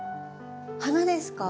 花ですか？